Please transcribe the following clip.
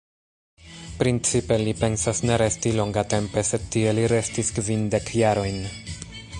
Principe, li pensas ne resti longatempe, sed tie li restis kvindek jarojn.